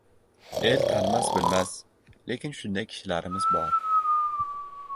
el tanimas-bilmas, lekin shunday kishilarimiz bor.